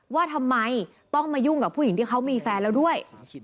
ว่าทำไมต้องมายุ่งกับผู้หญิงที่เขามีแฟนแล้วด้วย